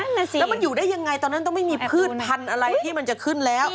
น่ะสิแล้วมันอยู่ได้ยังไงตอนนั้นต้องไม่มีพืชพันธุ์อะไรที่มันจะขึ้นแล้ว